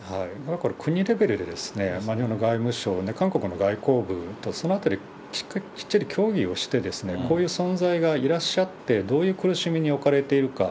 国レベルで外務省、韓国の外交部とそのあたり、しっかりきっちり協議をして、こういう存在がいらっしゃって、どういう苦しみに置かれているか。